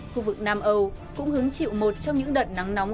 khu vực nam âu cũng hứng chịu một trong những đợt nắng nóng